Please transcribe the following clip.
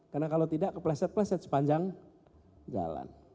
karena kalau tidak kepleset pleset sepanjang jalan